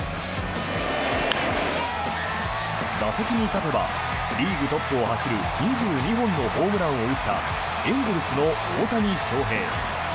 打席に立てばリーグトップを走る２２本のホームランを打ったエンゼルスの大谷翔平。